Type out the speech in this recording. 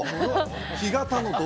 干潟の泥？